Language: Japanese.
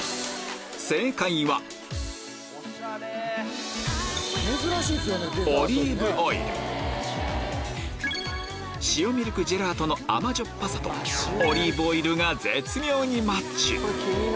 正解は塩ミルクジェラートの甘じょっぱさとオリーブオイルが絶妙にマッチ！